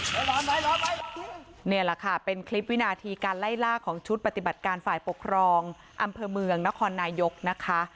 นี่แหละค่ะเป็นคลิปวินาทีการไล่ล่าของชุดปฏิบัติการฝ่ายปกครองอำเภอเมืองนครนายกนะคะ